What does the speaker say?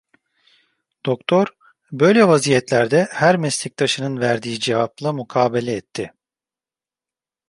Doktor, böyle vaziyetlerde her meslektaşının verdiği cevapla mukabele etti.